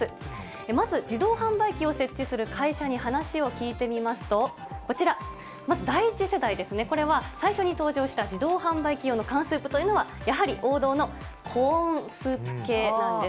まず自動販売機を設置する会社に話を聞いてみますと、こちら、まず第１世代ですね、これは最初に登場した自動販売機用の缶スープというのは、やはり王道のコーンスープ系なんです。